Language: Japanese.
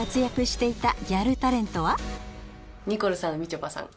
ニコルさんみちょぱさん